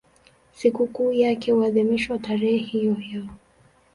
Sikukuu yake huadhimishwa tarehe hiyohiyo.